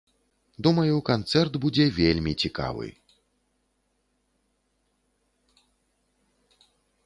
Думаю, канцэрт будзе вельмі цікавы.